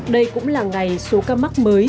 đây cũng là ngày số ca mắc mới